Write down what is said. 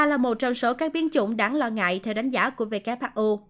là một trong số các biến chủng đáng lo ngại theo đánh giá của who